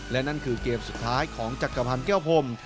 และนั่นคือเกมสุดท้ายของจักรพันธ์แก้วพรม